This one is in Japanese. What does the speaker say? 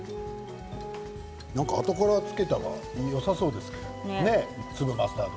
なんか、あとからつけたらよさそうですけどね粒マスタード。